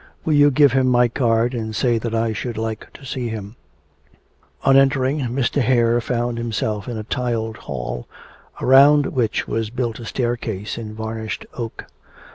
'Will you give him my card, and say that I should like to see him.' On entering, Mr. Hare found himself in a tiled hall, around which was built a staircase in varnished oak.